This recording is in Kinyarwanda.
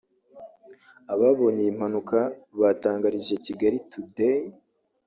Ababonye iyo mpanuka batangarije Kigali Today